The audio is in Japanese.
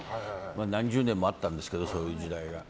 何十年もあったんですけどそういう時代が。